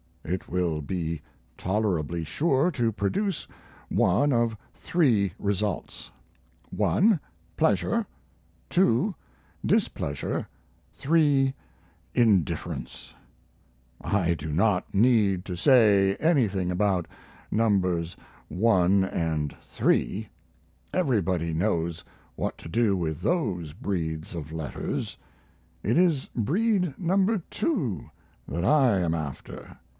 It will be tolerably sure to produce one of three results: 1, pleasure; 2, displeasure; 3, indifference. I do not need to say anything about Nos. 1 & 3; everybody knows what to do with those breeds of letters; it is breed No. 2 that I am after.